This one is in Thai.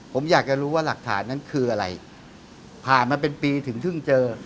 ผมอยากจะรู้ว่าหลักฐานนั้นคืออะไรผ่านมาเป็นปีถึงเพิ่งเจอ